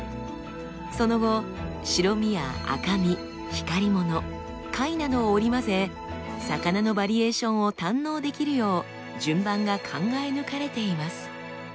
その後白身や赤身光り物貝などを織り交ぜ魚のバリエーションを堪能できるよう順番が考え抜かれています。